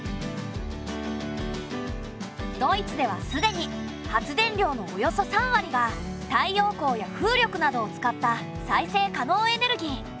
ドイツではすでに発電量のおよそ３割が太陽光や風力などを使った再生可能エネルギー。